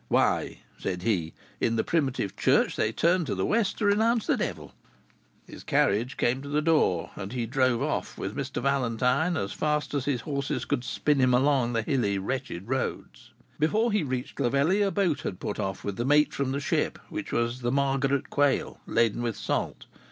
Why," said he, "in the primitive church they turned to the west to renounce the Devil." His carriage came to the door, and he drove off with Mr. Valentine as fast as his horses could spin him along the hilly, wretched roads. Before he reached Clovelly, a boat had put off with the mate from the ship, which was the Margaret Quail, laden with salt.